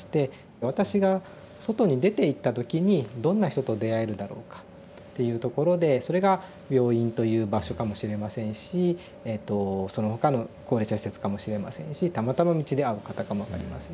私が外に出ていった時にどんな人と出会えるだろうかっていうところでそれが病院という場所かもしれませんしそのほかの高齢者施設かもしれませんしたまたま道で会う方かも分かりませんし。